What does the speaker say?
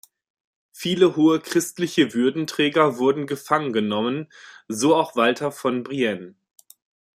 Viele hohe christliche Würdenträger wurden gefangen genommen, so auch Walter von Brienne.